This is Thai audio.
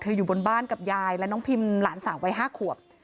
อยู่บนบ้านกับยายและน้องพิมหลานสาววัย๕ขวบ